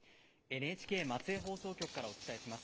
ＮＨＫ松江放送局からお伝えします。